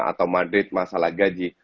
atau madrid masalah gaji